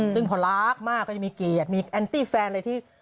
ซึ่งพอรักมากก็จะมีเกียรติมีแอนตี้แฟนอะไรที่